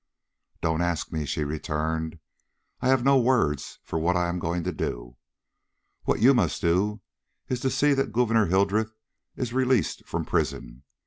"Do not ask me!" she returned. "I have no words for what I am going to do. What you must do is to see that Gouverneur Hildreth is released from prison.